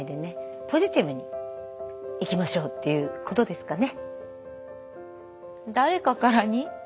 ポジティブにいきましょうっていうことですかね。